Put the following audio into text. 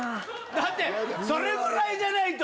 だってそれぐらいじゃないと。